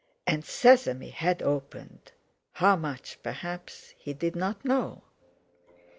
And sesame had opened—how much, perhaps, he did not know.